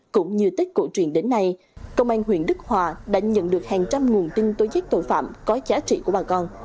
cũng như tết cổ truyền đến nay công an huyện đức hòa đã nhận được hàng trăm nguồn tin tối giác tội phạm có giá trị của bà con